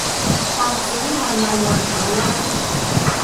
白紙係咪冇人舉嘞